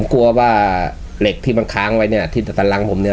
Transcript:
กลัวว่าเหล็กที่มันค้างไว้เนี่ยที่ตันรังผมเนี่ย